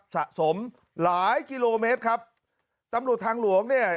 สะสมหลายกิโลเมตรครับตำรวจทางหลวงเนี่ย